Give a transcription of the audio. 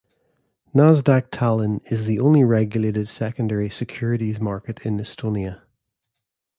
Nasdaq Tallinn is the only regulated secondary securities market in Estonia.